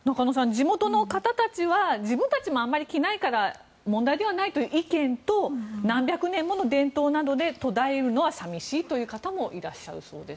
地元の方たちは自分たちもあまり着ないから問題ではないという意見と何百年もの伝統なので途絶えのるは寂しいという方もいらっしゃるそうです。